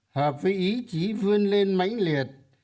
hợp với ý chí vươn lên mảnh liệt